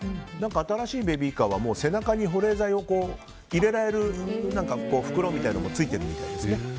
新しいベビーカーは背中に保冷剤を入れられる袋みたいなのも付いてるんですよね。